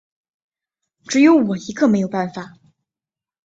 只有我一个没有办法